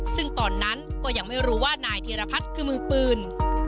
ซึ่งตอนนั้นก็ยังไม่รู้ว่านายธีรพัฒน์คือมือปืน